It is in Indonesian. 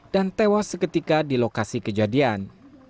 tewas seketika di lokasi kejadian